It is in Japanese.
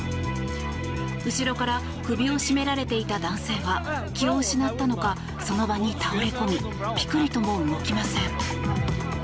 後ろから首を絞められていた男性は、気を失ったのかその場に倒れこみピクリとも動きません。